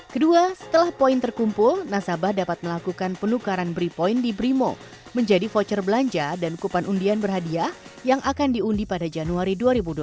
kedua setelah poin terkumpul nasabah dapat melakukan penukaran bri point di brimo menjadi voucher belanja dan kupan undian berhadiah yang akan diundi pada januari dua ribu dua puluh